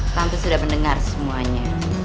tante sudah mendengar semuanya